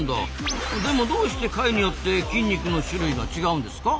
でもどうして貝によって筋肉の種類が違うんですか？